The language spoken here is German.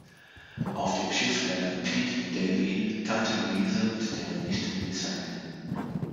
Auf dem Schiff lernen Pete und Davy Tante Louise und deren Nichte Melissa kennen.